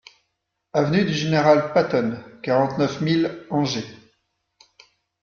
AVENUE DU GENERAL PATTON, quarante-neuf mille Angers